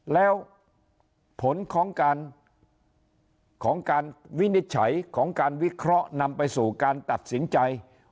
แล้วผลของการของการวินิจฉัยของการวิเคราะห์นำไปสู่การตัดสินใจ